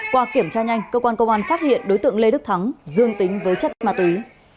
qua kiểm tra nhanh cơ quan công an phát hiện đối tượng lê đức thắng dương tính với chất ma túy